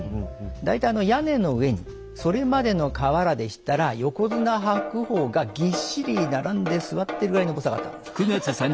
大体屋根の上にそれまでの瓦でしたら横綱白鵬がぎっしり並んで座ってるぐらいの重さがあったんです。